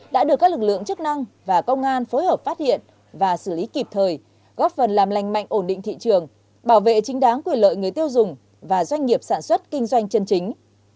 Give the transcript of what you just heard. đã được các lực lượng chức năng và công an phối hợp phát hiện và xử lý kịp thời góp phần làm lành mạnh ổn định thị trường bảo vệ chính đáng quyền lợi người tiêu dùng và doanh nghiệp sản xuất kinh doanh chân chính